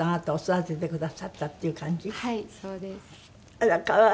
あら可愛い。